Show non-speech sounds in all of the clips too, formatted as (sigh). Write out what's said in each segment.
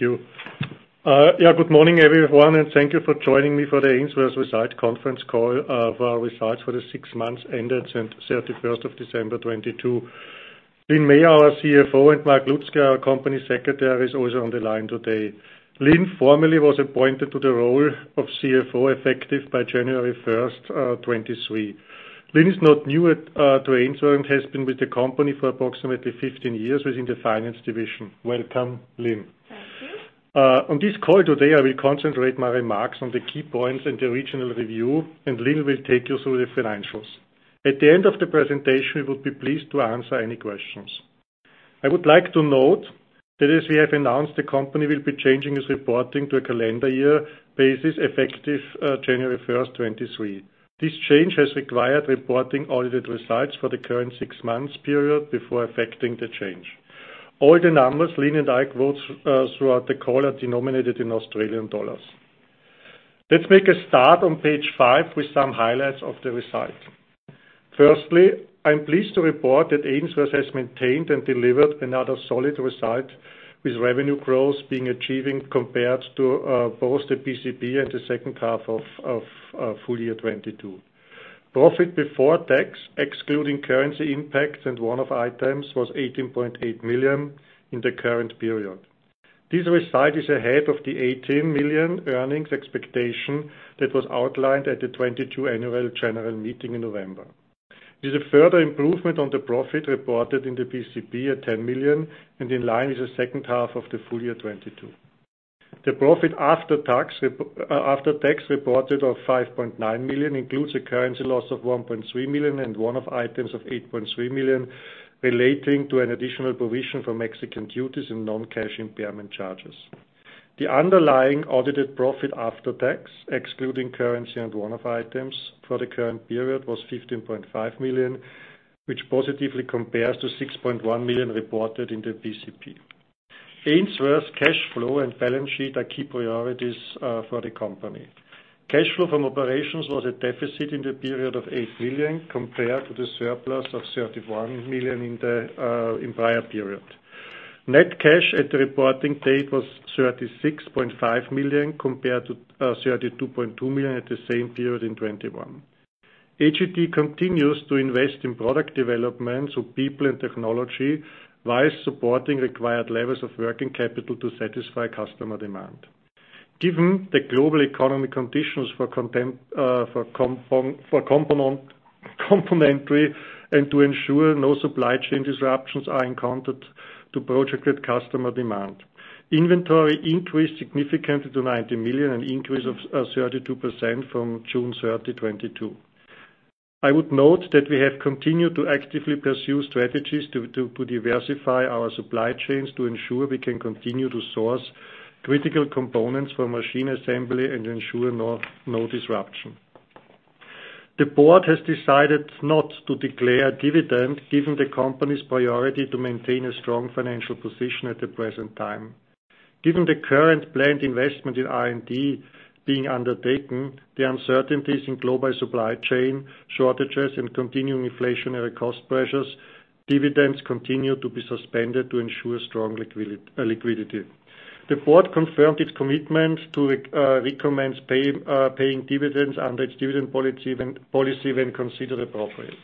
Good morning everyone, thank you for joining me for the Ainsworth Results Conference Call, for our results for the six months ended since 31st of December 2022. Lynn Mah, our CFO, and Mark Ludski, our Company Secretary, is also on the line today. Lynn formally was appointed to the role of CFO effective by January 1st, 2023. Lynn is not new at to Ainsworth, and has been with the company for approximately 15 years within the finance division. Welcome, Lynn. Thank you. On this call today, I will concentrate my remarks on the key points and the regional review, and Lynn will take you through the financials. At the end of the presentation, we would be pleased to answer any questions. I would like to note that as we have announced, the company will be changing its reporting to a calendar year basis effective, January 1st, 2023. This change has required reporting audited results for the current six months period before effecting the change. All the numbers Lynn and I quote, throughout the call are denominated in AUD. Let's make a start on page five with some highlights of the results. Firstly, I'm pleased to report that Ainsworth has maintained and delivered another solid result, with revenue growth being achieving compared to, both the PCP and the second half of full year 2022. Profit before tax, excluding currency impacts and one-off items, was 18.8 million in the current period. This result is ahead of the 18 million earnings expectation that was outlined at the 2022 annual general meeting in November. It is a further improvement on the profit reported in the PCP at 10 million, and in line with the second half of the full year 2022. The profit after tax reported of 5.9 million includes a currency loss of 1.3 million and one-off items of 8.3 million relating to an additional provision for Mexican duties and non-cash impairment charges. The underlying audited profit after tax, excluding currency and one-off items for the current period, was 15.5 million, which positively compares to 6.1 million reported in the PCP. Ainsworth's cash flow and balance sheet are key priorities for the company. Cash flow from operations was a deficit in the period of 8 million, compared to the surplus of 31 million in the prior period. Net cash at the reporting date was 36.5 million compared to 32.2 million at the same period in 2021. AGT continues to invest in product development, so people and technology, while supporting required levels of working capital to satisfy customer demand. Given the global economic conditions for complementary and to ensure no supply chain disruptions are encountered to project with customer demand. Inventory increased significantly to 90 million, an increase of 32% from June 30, 2022. I would note that we have continued to actively pursue strategies to diversify our supply chains to ensure we can continue to source critical components for machine assembly and ensure no disruption. The board has decided not to declare a dividend, given the company's priority to maintain a strong financial position at the present time. Given the current planned investment in R&D being undertaken, the uncertainties in global supply chain shortages, and continuing inflationary cost pressures, dividends continue to be suspended to ensure strong liquidity. The board confirmed its commitment to recommend paying dividends under its dividend policy when considered appropriate.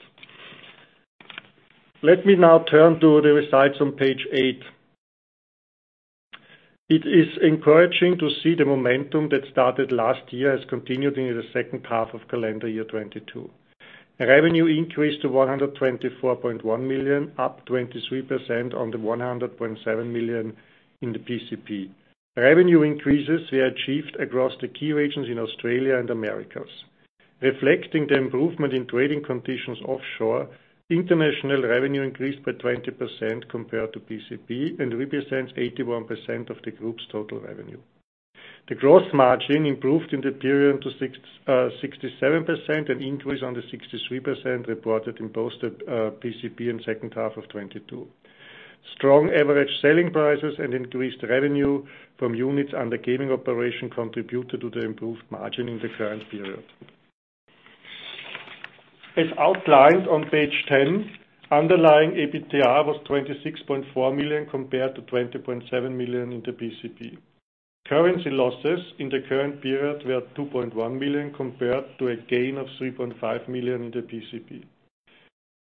Let me now turn to the results on page eight. It is encouraging to see the momentum that started last year has continued into the second half of calendar year 2022. Revenue increased to 124.1 million, up 23% on the 100.7 million in the PCP. Revenue increases were achieved across the key regions in Australia and Americas. Reflecting the improvement in trading conditions offshore, international revenue increased by 20% compared to PCP and represents 81% of the group's total revenue. The growth margin improved in the period to 67%, an increase on the 63% reported in both the PCP and second half of 2022. Strong average selling prices and increased revenue from units under gaming operation contributed to the improved margin in the current period. As outlined on page 10, underlying EBITDA was 26.4 million compared to 20.7 million in the PCP. Currency losses in the current period were 2.1 million compared to a gain of 3.5 million in the PCP.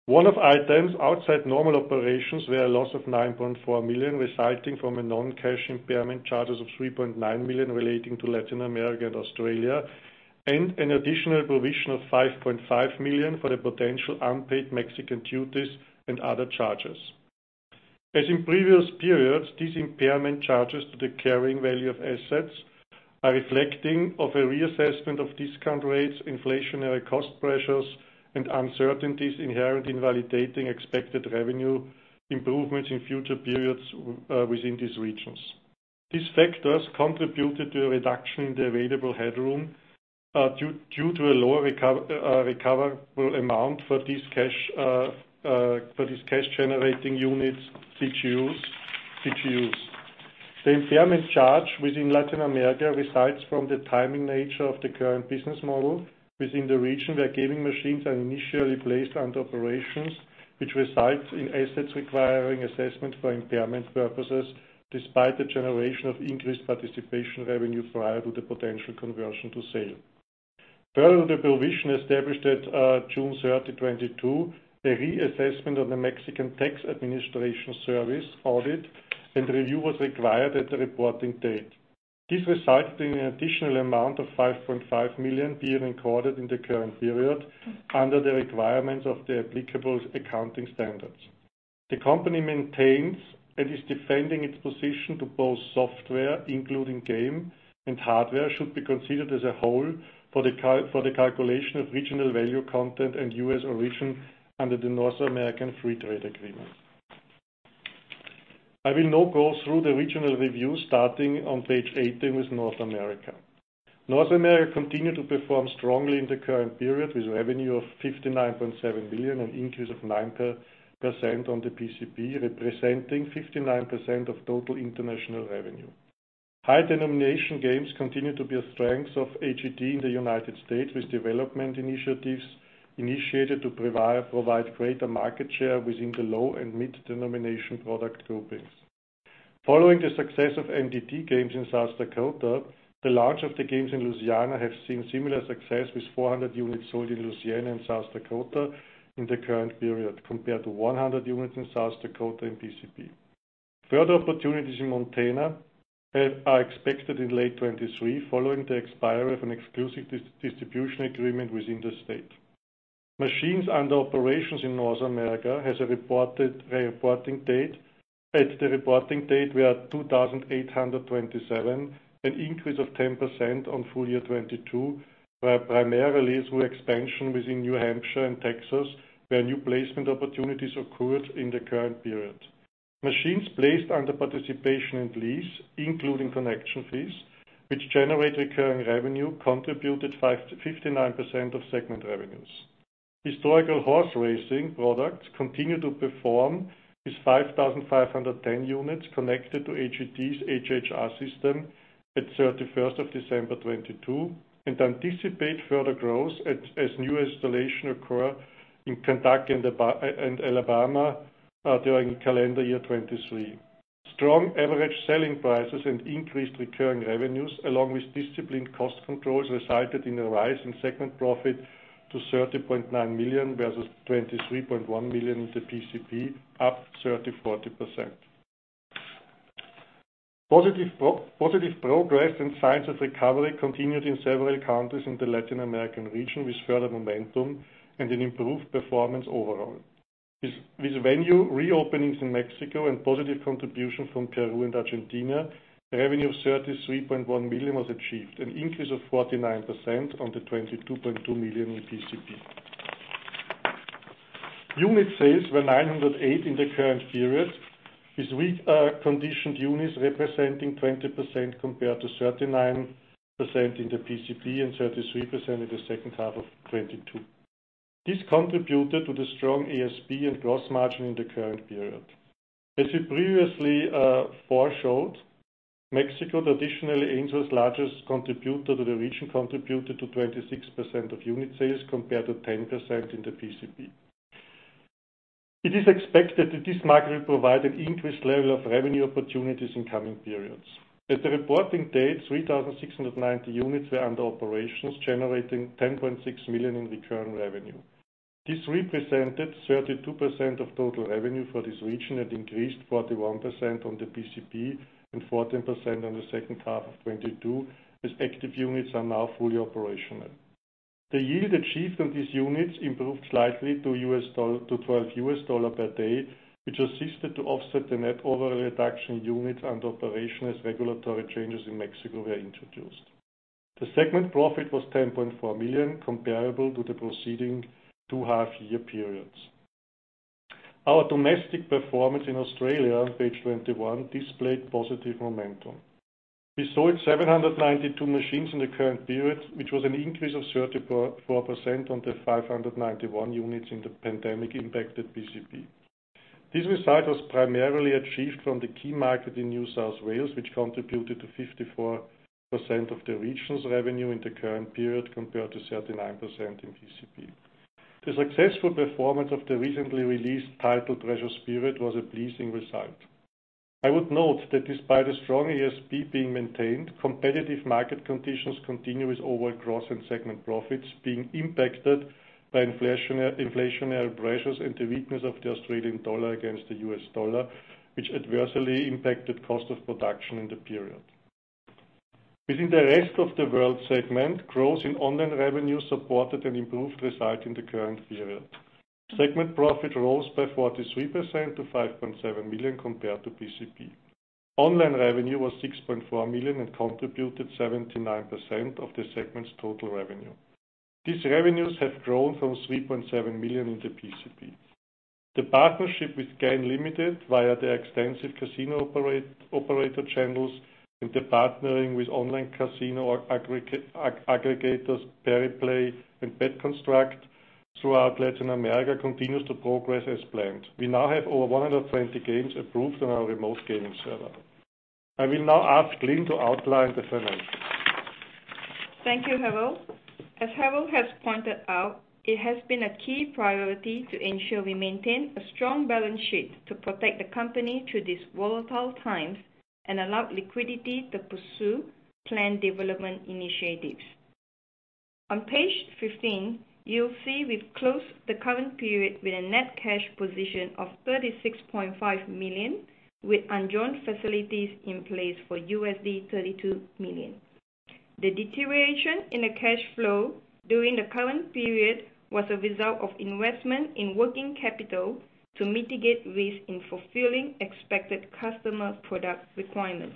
One-off items outside normal operations were a loss of 9.4 million resulting from a non-cash impairment charges of 3.9 million relating to Latin America and Australia, and an additional provision of 5.5 million for the potential unpaid Mexican duties and other charges. As in previous periods, these impairment charges to the carrying value of assets are reflecting of a reassessment of discount rates, inflationary cost pressures, and uncertainties inherent in validating expected revenue improvements in future periods within these regions. These factors contributed to a reduction in the available headroom due to a lower recoverable amount for these Cash-Generating Units, CGUs. The impairment charge within Latin America resides from the timing nature of the current business model within the region, where gaming machines are initially placed under operations, which resides in assets requiring assessment for impairment purposes, despite the generation of increased participation revenue prior to the potential conversion to sale. Further, the provision established at June 30, 2022, a reassessment of the Mexican Tax Administration Service audit and review was required at the reporting date. This resulted in an additional amount of 5.5 million being recorded in the current period under the requirements of the applicable accounting standards. The company maintains and is defending its position to both software, including game and hardware, should be considered as a whole for the calculation of regional value content and U.S. origin under the North American Free Trade Agreement. I will now go through the regional review starting on page 18 with North America. North America continued to perform strongly in the current period with revenue of 59.7 million, an increase of 9% on the PCP, representing 59% of total international revenue. High denomination games continue to be a strength of AGT in the United States, with development initiatives initiated to provide greater market share within the low and mid denomination product groupings. Following the success of MDT games in South Dakota, the launch of the games in Louisiana have seen similar success, with 400 units sold in Louisiana and South Dakota in the current period, compared to 100 units in South Dakota in PCP. Further opportunities in Montana are expected in late 2023 following the expiry of an exclusive distribution agreement within the state. Machines under operations in North America has a reporting date. At the reporting date, we are at 2,827, an increase of 10% on full year 2022, primarily through expansion within New Hampshire and Texas, where new placement opportunities occurred in the current period. Machines placed under participation and lease, including connection fees which generate recurring revenue, contributed 5%-59% of segment revenues. Historical horse racing products continue to perform with 5,510 units connected to AGT's HHR system at 31st of December 2022, anticipate further growth as new installation occur in Kentucky and Alabama during calendar year 2023. Strong average selling prices and increased recurring revenues, along with disciplined cost controls, resulted in a rise in segment profit to 30.9 million versus 23.1 million in the PCP, up 34%. Positive progress and signs of recovery continued in several countries in the Latin American region, with further momentum and an improved performance overall. With venue reopenings in Mexico and positive contribution from Peru and Argentina, revenue of 33.1 million was achieved, an increase of 49% on the 22.2 million in PCP. Unit sales were 908 in the current period with conditioned units representing 20% compared to 39% in the PCP and 33% in the second half of 2022. This contributed to the strong ASP and gross margin in the current period. As we previously foreshowed, Mexico, traditionally AGT's largest contributor to the region, contributed to 26% of unit sales, compared to 10% in the PCP. It is expected that this market will provide an increased level of revenue opportunities in coming periods. At the reporting date, 3,690 units were under operations, generating 10.6 million in recurring revenue. This represented 32% of total revenue for this region and increased 41% on the PCP and 14% on the second half of 2022, as active units are now fully operational. The yield achieved on these units improved slightly to $12 per day, which assisted to offset the net overall reduction in units under operation as regulatory changes in Mexico were introduced. The segment profit was 10.4 million, comparable to the preceding two half year periods. Our domestic performance in Australia, on page 21, displayed positive momentum. We sold 792 machines in the current period, which was an increase of 34% on the 591 units in the pandemic impacted PCP. This result was primarily achieved from the key market in New South Wales, which contributed to 54% of the region's revenue in the current period, compared to 39% in PCP. The successful performance of the recently released title, Treasure Spirits, was a pleasing result. I would note that despite a strong ASP being maintained, competitive market conditions continue with overall gross and segment profits being impacted by inflationary pressures and the weakness of the Australian dollar against the U.S. dollar, which adversely impacted cost of production in the period. Within the rest of the world segment, growth in online revenue supported an improved result in the current period. Segment profit rose by 43% to 5.7 million compared to PCP. Online revenue was 6.4 million and contributed 79% of the segment's total revenue. These revenues have grown from 3.7 million in the PCP. The partnership with GAN Limited via their extensive casino operator channels and the partnering with online casino aggregators, Pariplay and BetConstruct throughout Latin America continues to progress as planned. We now have over 120 games approved on our Remote Gaming Server. I will now ask Lynn to outline the financials. Thank you, Harald. As Harald has pointed out, it has been a key priority to ensure we maintain a strong balance sheet to protect the company through these volatile times. Allow liquidity to pursue planned development initiatives. On page 15, you'll see we've closed the current period with a net cash position of 36.5 million, with undrawn facilities in place for $32 million. The deterioration in the cash flow during the current period was a result of investment in working capital to mitigate risk in fulfilling expected customer product requirements.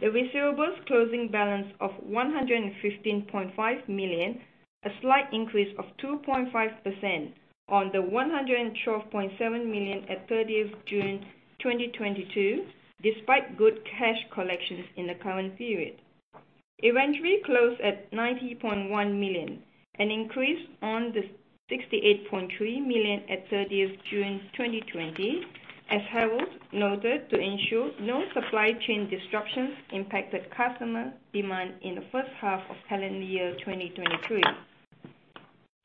The receivables closing balance of 115.5 million, a slight increase of 2.5% on the 112.7 million at 30th June 2022, despite good cash collections in the current period. Inventory closed at 90.1 million, an increase on the 68.3 million at 30th June 2020, as Harald noted, to ensure no supply chain disruptions impacted customer demand in the first half of calendar year 2023.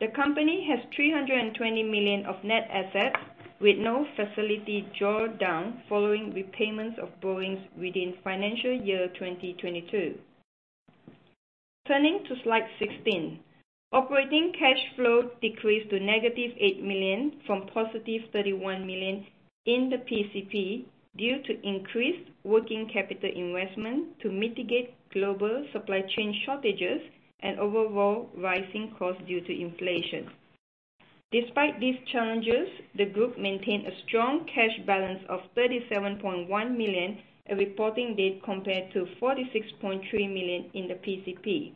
The company has 320 million of net assets with no facility draw down following repayments of borrowings within financial year 2022. Turning to slide 16. Operating cash flow decreased to -8 million from +31 million in the PCP due to increased working capital investment to mitigate global supply chain shortages and overall rising costs due to inflation. Despite these challenges, the group maintained a strong cash balance of 37.1 million at reporting date, compared to 46.3 million in the PCP.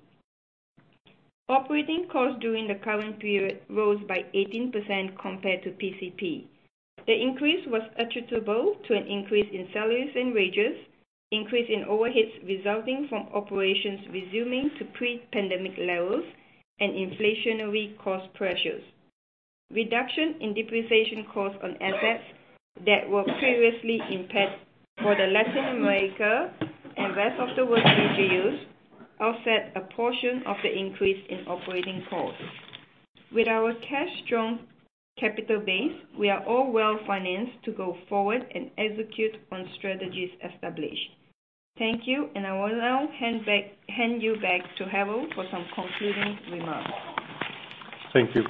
Operating costs during the current period rose by 18% compared to PCP. The increase was attributable to an increase in salaries and wages, increase in overheads resulting from operations resuming to pre-pandemic levels and inflationary cost pressures. Reduction in depreciation costs on assets that were previously impaired for the Latin America and rest of the world regions offset a portion of the increase in operating costs. With our cash-strong capital base, we are all well-financed to go forward and execute on strategies established. Thank you, and I will now hand you back to Harald for some concluding remarks. Thank you.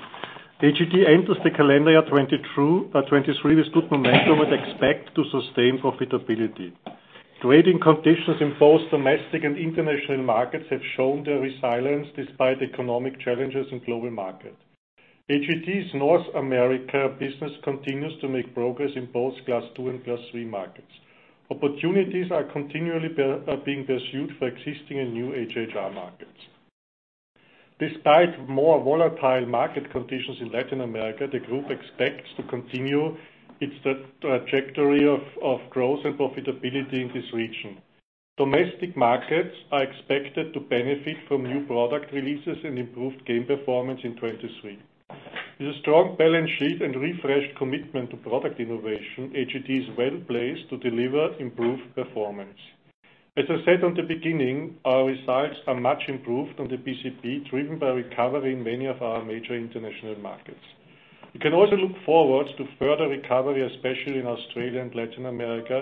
AGT enters the calendar year 2023 with good momentum and expect to sustain profitability. Trading conditions in both domestic and international markets have shown their resilience despite economic challenges in global market. AGT's North America business continues to make progress in both Class II and Class III markets. Opportunities are being pursued for existing and new AGR markets. Despite more volatile market conditions in Latin America, the group expects to continue its trajectory of growth and profitability in this region. Domestic markets are expected to benefit from new product releases and improved game performance in 2023. With a strong balance sheet and refreshed commitment to product innovation, AGT is well-placed to deliver improved performance. As I said on the beginning, our results are much improved on the PCP, driven by recovery in many of our major international markets. We can also look forward to further recovery, especially in Australia and Latin America,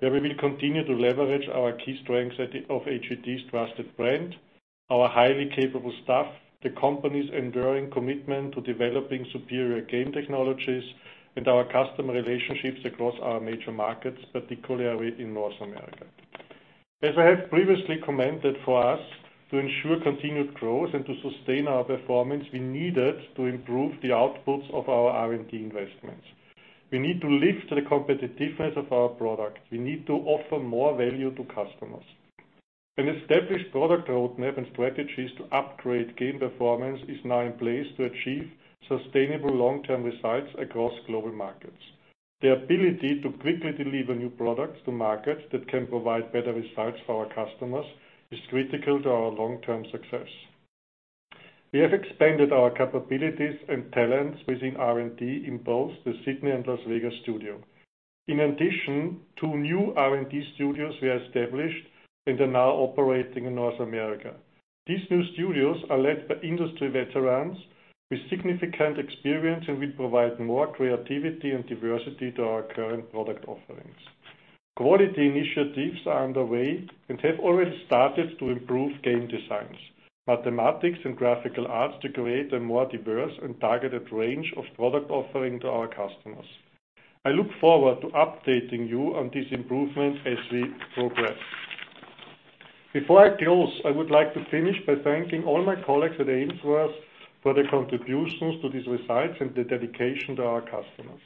where we will continue to leverage our key strengths of AGT's trusted brand, our highly capable staff, the company's enduring commitment to developing superior game technologies, and our customer relationships across our major markets, particularly in North America. As I have previously commented, for us to ensure continued growth and to sustain our performance, we needed to improve the outputs of our R&D investments. We need to lift the competitiveness of our product. We need to offer more value to customers. An established product roadmap and strategies to upgrade game performance is now in place to achieve sustainable long-term results across global markets. The ability to quickly deliver new products to markets that can provide better results for our customers is critical to our long-term success. We have expanded our capabilities and talents within R&D in both the Sydney and Las Vegas studio. Two new R&D studios were established and are now operating in North America. These new studios are led by industry veterans with significant experience and will provide more creativity and diversity to our current product offerings. Quality initiatives are underway and have already started to improve game designs, mathematics and graphical arts to create a more diverse and targeted range of product offering to our customers. I look forward to updating you on this improvement as we progress. Before I close, I would like to finish by thanking all my colleagues at Ainsworth for their contributions to these results and their dedication to our customers.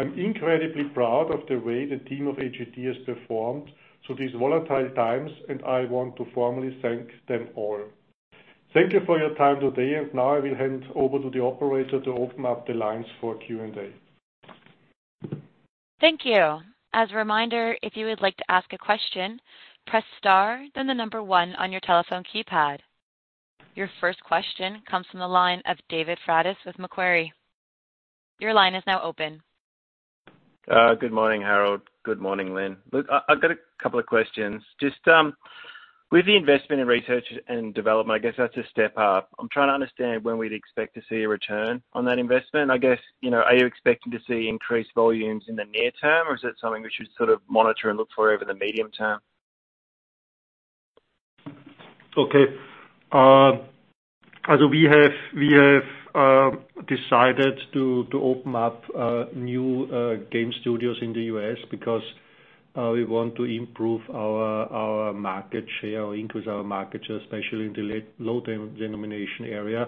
I'm incredibly proud of the way the team of AGT has performed through these volatile times, and I want to formally thank them all. Thank you for your time today, and now I will hand over to the operator to open up the lines for Q&A. Thank you. As a reminder, if you would like to ask a question, press star then the number one on your telephone keypad. Your first question comes from the line of David Fabris with Macquarie. Your line is now open. Good morning, Harald. Good morning, Lynn. Look, I've got a couple of questions. Just.With the investment in research and development, I guess that's a step up. I'm trying to understand when we'd expect to see a return on that investment. I guess, you know, are you expecting to see increased volumes in the near term, or is it something we should sort of monitor and look for over the medium term? So we have decided to open up new game studios in the U.S. because we want to improve our market share or increase our market share, especially in the low denomination area.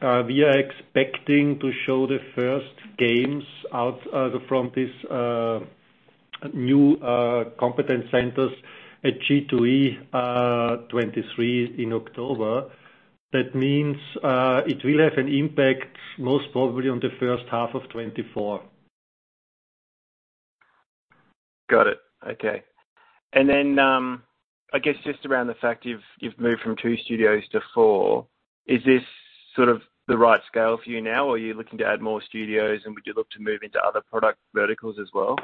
We are expecting to show the first games out from this new competence centers at G2E 2023 in October. That means it will have an impact most probably on the first half of 2024. Got it. Okay. Then, I guess just around the fact you've moved from two studios to four, is this sort of the right scale for you now, or are you looking to add more studios, and would you look to move into other product verticals as well?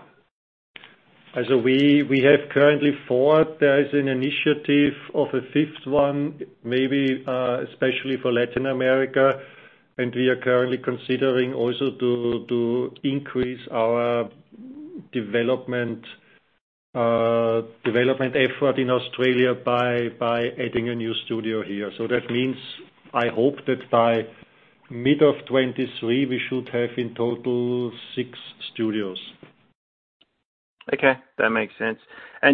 We have currently four. There is an initiative of a fifth one, maybe, especially for Latin America, and we are currently considering also to increase our development effort in Australia by adding a new studio here. That means, I hope that by mid of 2023, we should have in total six studios. Okay. That makes sense.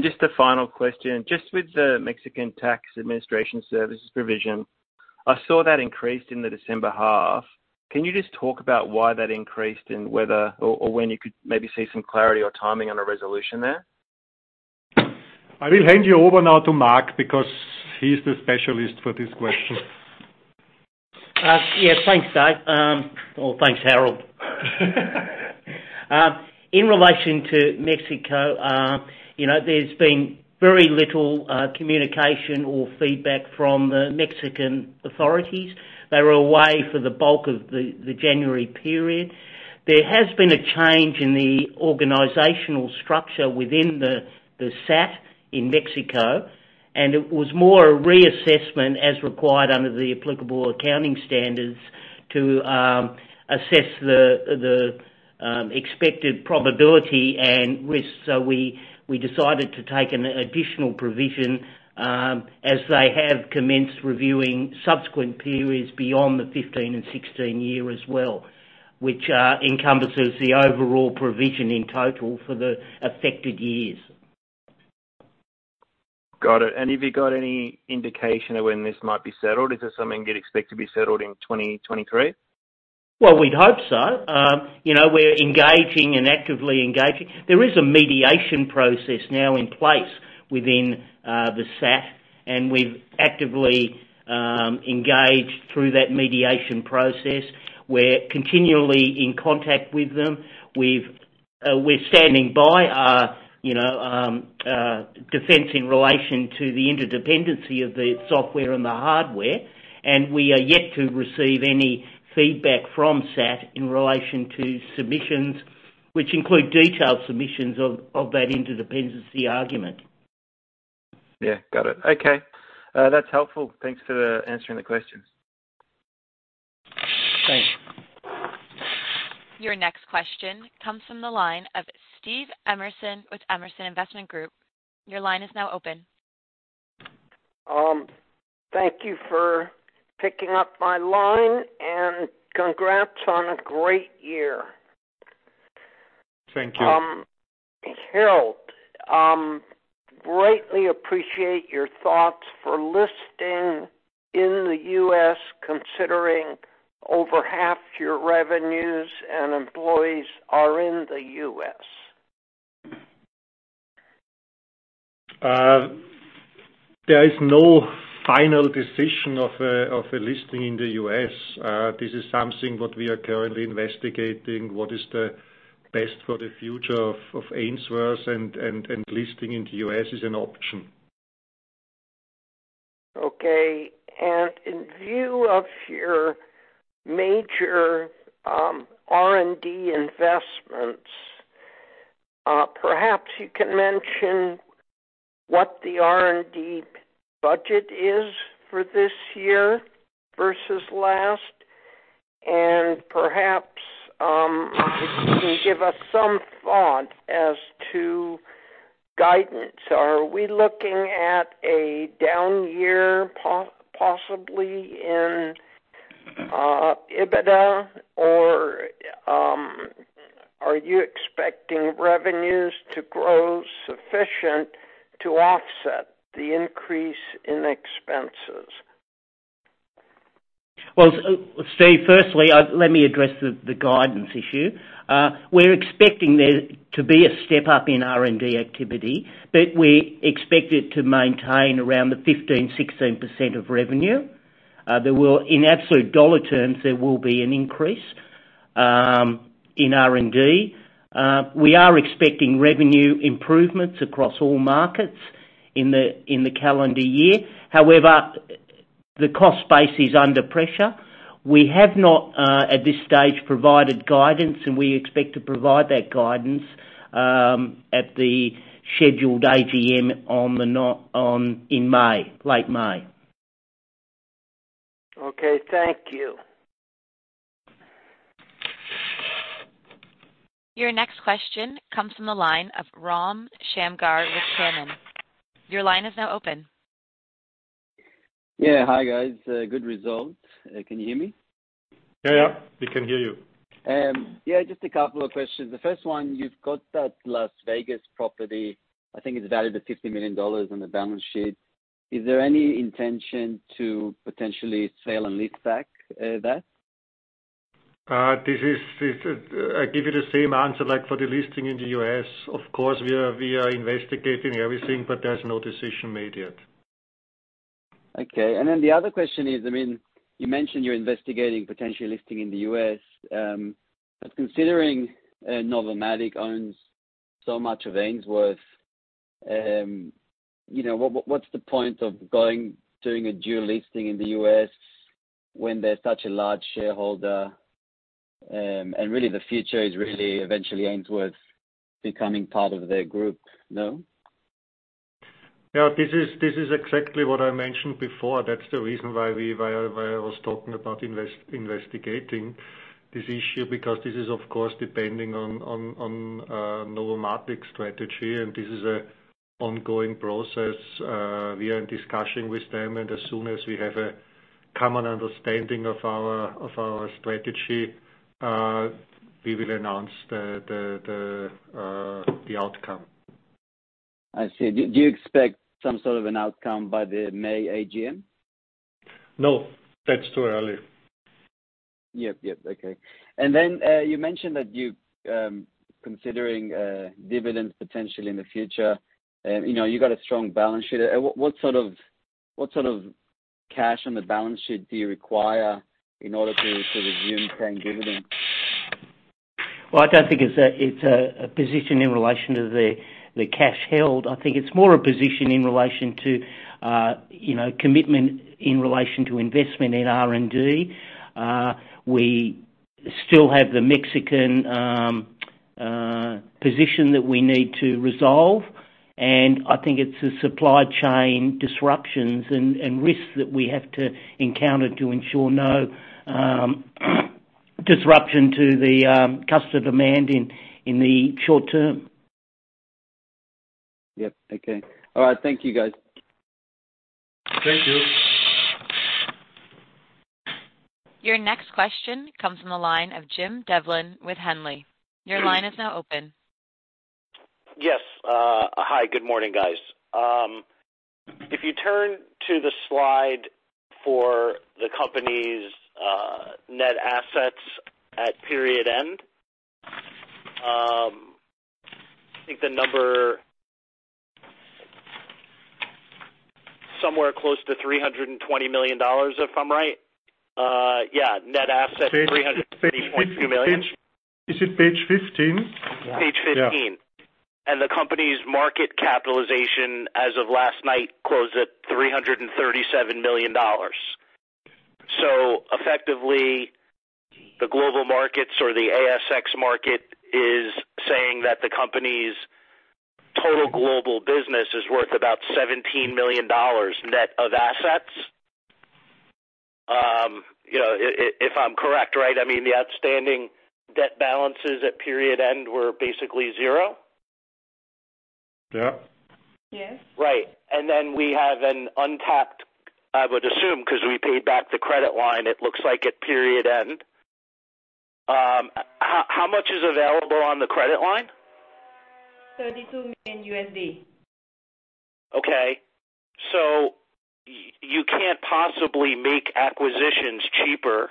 Just a final question. Just with the Mexican Tax Administration Service provision, I saw that increased in the December half. Can you just talk about why that increased and whether or when you could maybe see some clarity or timing on a resolution there? I will hand you over now to Mark because he's the specialist for this question. Yeah, thanks, Dave. Thanks, Harald. In relation to Mexico, you know, there's been very little communication or feedback from the Mexican authorities. They were away for the bulk of the January period. There has been a change in the organizational structure within the SAT in Mexico. It was more a reassessment as required under the applicable accounting standards to assess the expected probability and risk. We decided to take an additional provision as they have commenced reviewing subsequent periods beyond the 15 and 16 year as well, which encompasses the overall provision in total for the affected years. Got it. Have you got any indication of when this might be settled? Is this something you'd expect to be settled in 2023? Well, we'd hope so. You know, we're engaging and actively engaging. There is a mediation process now in place within the SAT, and we've actively engaged through that mediation process. We're continually in contact with them. We're standing by our, you know, defense in relation to the interdependency of the software and the hardware, and we are yet to receive any feedback from SAT in relation to submissions, which include detailed submissions of that interdependency argument. Yeah. Got it. Okay. That's helpful. Thanks for answering the questions. Thanks. Your next question comes from the line of Steve Emerson with Emerson Investment Group. Your line is now open. Thank you for picking up my line. Congrats on a great year. Thank you. Harald, greatly appreciate your thoughts for listing in the U.S., considering over half your revenues and employees are in the U.S. There is no final decision of a listing in the U.S. This is something that we are currently investigating. What is the best for the future of Ainsworth, and listing in the U.S. is an option. Okay. In view of your major R&D investments, perhaps you can mention what the R&D budget is for this year versus last, and perhaps, if you can give us some thought as to guidance. Are we looking at a down year possibly in EBITDA or are you expecting revenues to grow sufficient to offset the increase in expenses? Steve, firstly, let me address the guidance issue. We're expecting there to be a step-up in R&D activity, but we expect it to maintain around the 15%-16% of revenue. In absolute dollar terms, there will be an increase in R&D. We are expecting revenue improvements across all markets in the calendar year. The cost base is under pressure. We have not, at this stage, provided guidance, and we expect to provide that guidance at the scheduled AGM in May, late May. Okay, thank you. Your next question comes from the line of Ron Shamgar with Canaccord Genuity. (crosstalk) Your line is now open. Yeah. Hi, guys. Good results. Can you hear me? Yeah. Yeah, we can hear you. Yeah, just a couple of questions. The first one, you've got that Las Vegas property, I think it's valued at $50 million on the balance sheet. Is there any intention to potentially sell and lease back, that? I give you the same answer, like, for the listing in the U.S. Of course, we are investigating everything. There's no decision made yet. Okay. Then the other question is, I mean, you mentioned you're investigating potential listing in the U.S. Considering, Novomatic owns so much of Ainsworth, you know, what's the point of going, doing a dual listing in the U.S. when they're such a large shareholder? Really the future is really eventually Ainsworth becoming part of their group. No? Yeah, this is exactly what I mentioned before. That's the reason why I was talking about investigating this issue, because this is, of course, depending on Novomatic's strategy, and this is an ongoing process. We are in discussion with them, and as soon as we have a common understanding of our strategy, we will announce the outcome. I see. Do you expect some sort of an outcome by the May AGM? No, that's too early. Yep. Yep. Okay. You mentioned that you, considering a dividend potentially in the future, you know, you've got a strong balance sheet. What sort of cash on the balance sheet do you require in order to resume paying dividends? Well, I don't think it's a position in relation to the cash held. I think it's more a position in relation to, you know, commitment in relation to investment in R&D. We still have the Mexican position that we need to resolve. I think it's the supply chain disruptions and risks that we have to encounter to ensure no disruption to the customer demand in the short term. Yep. Okay. All right. Thank you, guys. Thank you. Your next question comes from the line of Jim Devlin with Henley. Your line is now open. Yes. Hi. Good morning, guys. If you turn to the slide for the company's net assets at period end, I think the number somewhere close to 320 million dollars, if I'm right. Yeah, net asset, 320.2 million. Is it page 15? Page 15. Yeah. The company's market capitalization as of last night closed at 337 million dollars. Effectively, the global markets or the ASX market is saying that the company's total global business is worth about 17 million dollars net of assets. You know, if I'm correct, right, I mean, the outstanding debt balances at period end were basically zero. Yeah. Yes. Right. Then we have an untapped, I would assume, 'cause we paid back the credit line, it looks like, at period end. How much is available on the credit line? $32 million. You can't possibly make acquisitions cheaper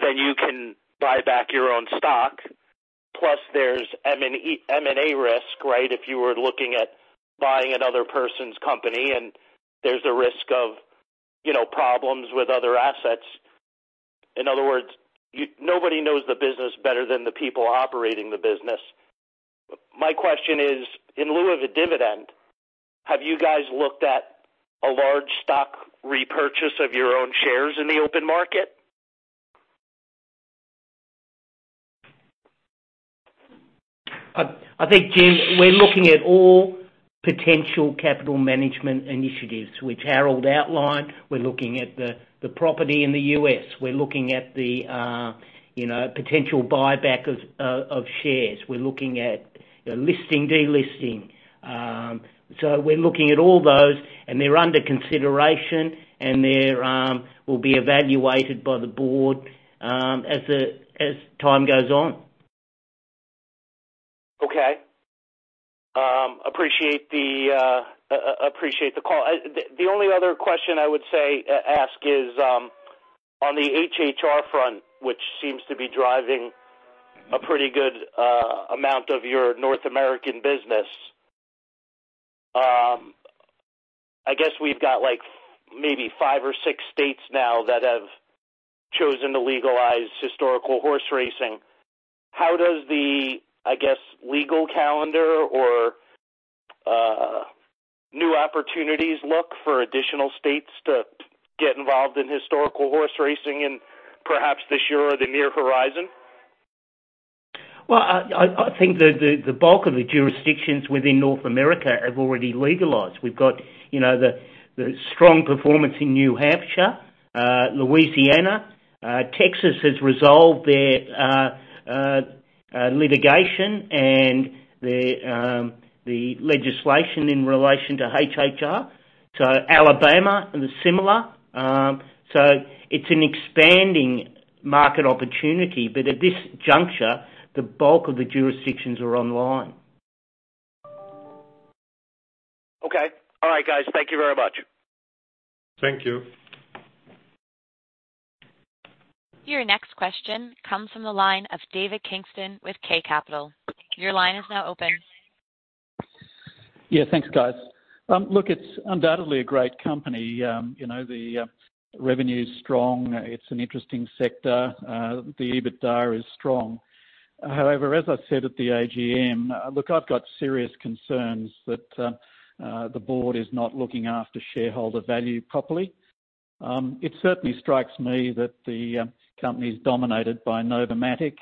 than you can buy back your own stock. There's M&A risk, right? If you were looking at buying another person's company, and there's a risk of, you know, problems with other assets. In other words, nobody knows the business better than the people operating the business. My question is, in lieu of a dividend, have you guys looked at a large stock repurchase of your own shares in the open market? I think, Jim, we're looking at all potential capital management initiatives, which Harald outlined. We're looking at the property in the U.S. We're looking at the, you know, potential buyback of shares. We're looking at listing, delisting. We're looking at all those, and they're under consideration, and they're will be evaluated by the board as time goes on. Okay. Appreciate the call. The only other question I would ask is on the HHR front, which seems to be driving a pretty good amount of your North American business. I guess we've got, like, maybe five or six states now that have chosen to legalize historical horse racing. How does the, I guess, legal calendar or? New opportunities look for additional states to get involved in historical horse racing and perhaps this year or the near horizon. I think the bulk of the jurisdictions within North America have already legalized. We've got, you know, the strong performance in New Hampshire, Louisiana. Texas has resolved their litigation and the legislation in relation to HHR. Alabama is similar. It's an expanding market opportunity, but at this juncture, the bulk of the jurisdictions are online. Okay. All right, guys. Thank you very much. Thank you. Your next question comes from the line of David Kingston with K Capital. Your line is now open. Yeah, thanks, guys. look, it's undoubtedly a great company. you know, the revenue is strong. It's an interesting sector. the EBITDA is strong. However, as I said at the AGM, look, I've got serious concerns that the board is not looking after shareholder value properly. it certainly strikes me that the company is dominated by Novomatic,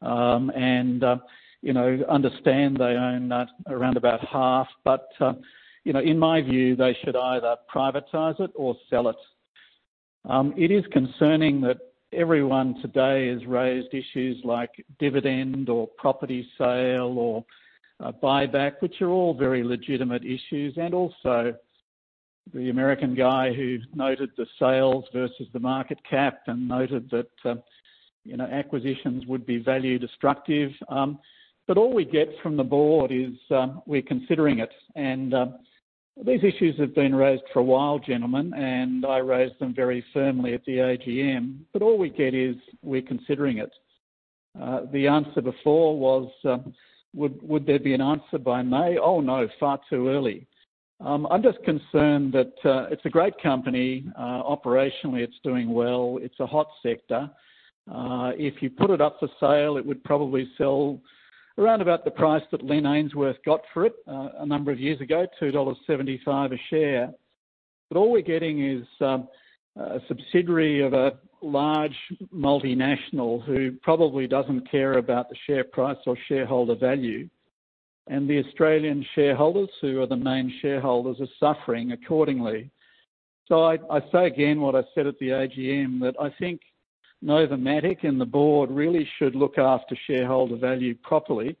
and, you know, understand they own around about half, but, you know, in my view, they should either privatize it or sell it. It is concerning that everyone today has raised issues like dividend or property sale or buyback, which are all very legitimate issues. Also the American guy who noted the sales versus the market cap and noted that, you know, acquisitions would be value destructive. All we get from the board is, we're considering it. These issues have been raised for a while, gentlemen, and I raised them very firmly at the AGM. All we get is, "We're considering it." The answer before was, would there be an answer by May? "Oh, no, far too early." I'm just concerned that it's a great company. Operationally, it's doing well. It's a hot sector. If you put it up for sale, it would probably sell around about the price that Len Ainsworth got for it, a number of years ago, 2.75 dollars a share. All we're getting is, a subsidiary of a large multinational who probably doesn't care about the share price or shareholder value. The Australian shareholders, who are the main shareholders, are suffering accordingly. I say again what I said at the AGM, that I think Novomatic and the board really should look after shareholder value properly.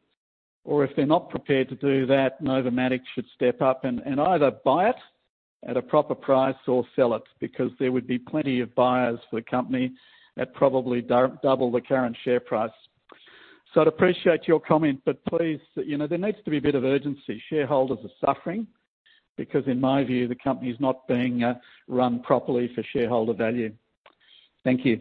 If they're not prepared to do that, Novomatic should step up and either buy it at a proper price or sell it, because there would be plenty of buyers for the company at probably double the current share price. I'd appreciate your comment, but please, you know, there needs to be a bit of urgency. Shareholders are suffering because in my view, the company is not being run properly for shareholder value. Thank you.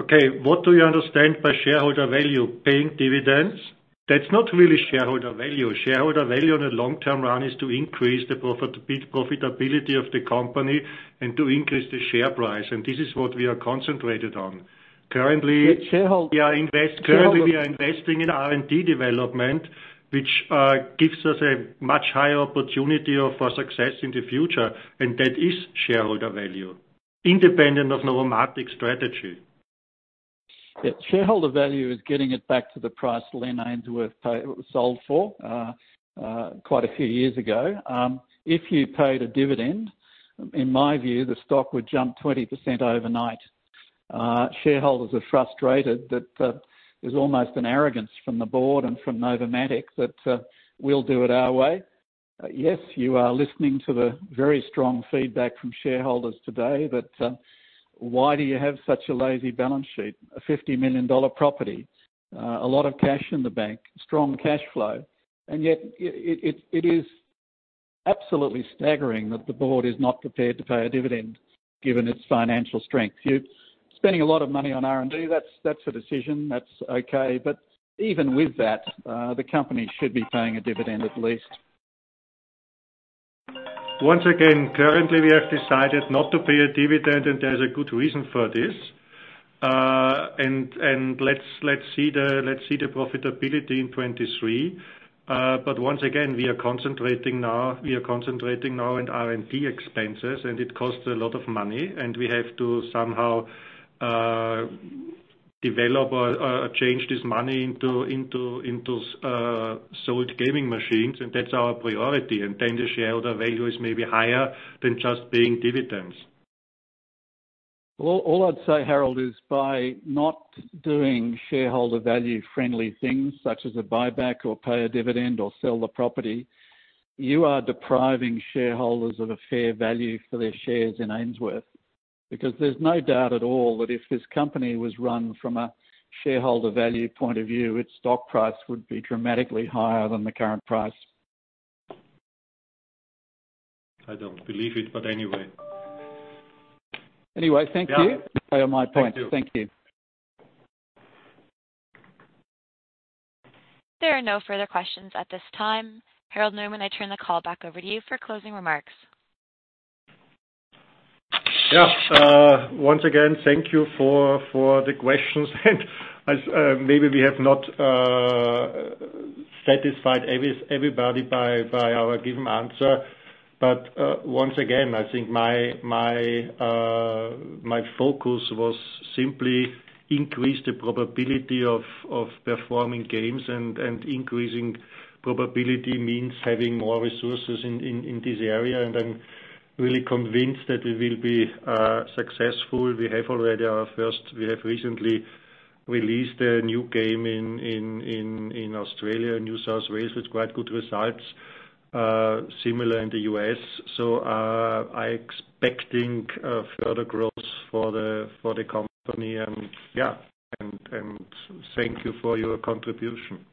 Okay, what do you understand by shareholder value? Paying dividends? That's not really shareholder value. Shareholder value on a long-term run is to increase the profitability of the company and to increase the share price, and this is what we are concentrated on. Currently. Sharehold- Currently, we are investing in R&D development, which gives us a much higher opportunity for success in the future, and that is shareholder value, independent of Novomatic strategy. Yeah. Shareholder value is getting it back to the price Len Ainsworth sold for quite a few years ago. If you paid a dividend, in my view, the stock would jump 20% overnight. Shareholders are frustrated that there's almost an arrogance from the board and from Novomatic that we'll do it our way. Yes, you are listening to the very strong feedback from shareholders today that why do you have such a lazy balance sheet, an 50 million dollar property, a lot of cash in the bank, strong cash flow, and yet it is absolutely staggering that the board is not prepared to pay a dividend given its financial strength. You're spending a lot of money on R&D. That's, that's a decision. That's okay. Even with that, the company should be paying a dividend at least. Once again, currently, we have decided not to pay a dividend. There's a good reason for this. Let's see the profitability in 2023. Once again, we are concentrating now on R&D expenses. It costs a lot of money. We have to somehow develop or change this money into sold gaming machines. That's our priority. The shareholder value is maybe higher than just paying dividends. Well, all I'd say, Harald, is by not doing shareholder value-friendly things such as a buyback or pay a dividend or sell the property, you are depriving shareholders of a fair value for their shares in Ainsworth. There's no doubt at all that if this company was run from a shareholder value point of view, its stock price would be dramatically higher than the current price. I don't believe it, but anyway. Anyway, thank you. Yeah. I'll pay on my point. Thank you. Thank you. There are no further questions at this time. Harald Neumann, I turn the call back over to you for closing remarks. Once again, thank you for the questions. Maybe we have not satisfied everybody by our given answer. Once again, I think my focus was simply increase the probability of performing games, and increasing probability means having more resources in this area. I'm really convinced that we will be successful. We have already our first. We have recently released a new game in Australia, New South Wales, with quite good results, similar in the U.S. I expecting further growth for the company. Thank you for your contribution.